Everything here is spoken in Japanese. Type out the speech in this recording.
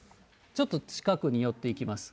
ちょっと近くに寄っていきます。